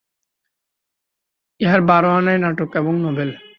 ইহার বারো-আনাই নাটক এবং নভেল।